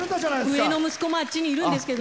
上の息子もあっちにいるんですけどね。